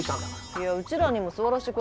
いやうちらにも座らせてくださいよ。